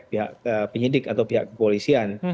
pihak penyidik atau pihak kepolisian